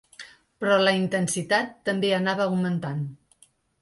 Però la intensitat també anava augmentant.